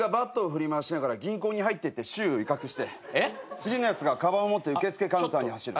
次のやつがかばんを持って受付カウンターに走る。